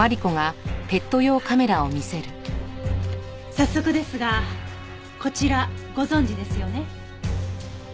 早速ですがこちらご存じですよね？